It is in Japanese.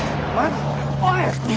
おい！